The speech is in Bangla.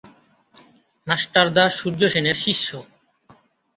মাস্টার দা সূর্য সেনের শিষ্য।